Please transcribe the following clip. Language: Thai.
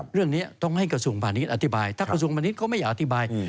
เรื่องนี้ต้องให้กระทรวงพาณิชย์อธิบายถ้ากระทรวงมณิชย์เขาไม่อธิบาย